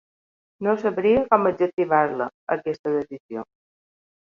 No sabria com adjectivar-la, aquesta decisió.